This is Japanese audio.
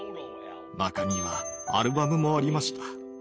中にはアルバムもありました。